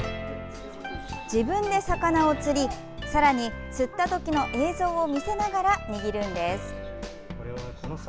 自分で魚を釣りさらに釣ったときの映像を見せながら握るんです。